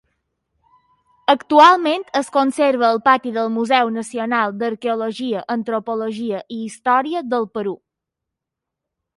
Actualment es conserva al pati del Museu Nacional d'Arqueologia Antropologia i Història del Perú.